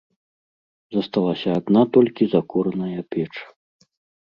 Засталася адна толькі закураная печ.